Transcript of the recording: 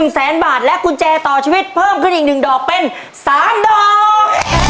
๑แสนบาทและกุญแจต่อชีวิตเพิ่มขึ้นอีก๑ดอกเป็น๓ดอก